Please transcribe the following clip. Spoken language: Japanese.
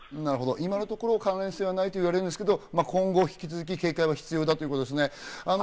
今のところ関連性はないと言われていますが、引き続き警戒が必要だということですね。